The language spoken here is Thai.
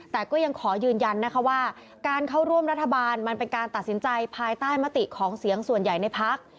แต่ก็ยังขอยืนยันนะคะว่าการเข้าร่วมรัฐบาลมันเป็นการตัดสินใจภายใต้มติของเสียงส่วนใหญ่ในพัก